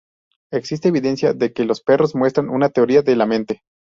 Existe evidencia de que los perros muestran una teoría de la mente.